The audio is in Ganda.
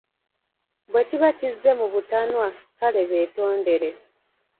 Bwekiba kizze mu butanwa, kale beetondere.